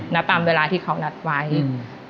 ตามเวลาที่เขานัดไว้อืม